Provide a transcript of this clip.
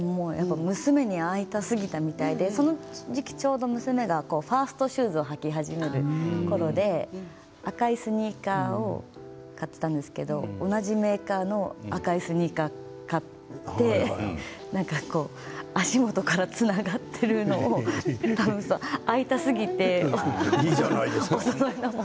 娘に会いたすぎたみたいでその時期、娘がちょうどファーストシューズを履き始めたころで赤いスニーカーを買っていたんですけど同じメーカーの赤いスニーカーを買って足元からつながっているみたいな会いたすぎて。